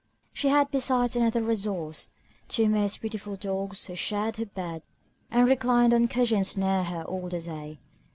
She had besides another resource, two most beautiful dogs, who shared her bed, and reclined on cushions near her all the day.